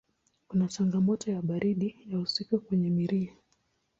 Kuna changamoto ya baridi ya usiku kwenye Mirihi.